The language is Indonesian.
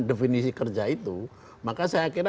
definisi kerja itu maka saya kira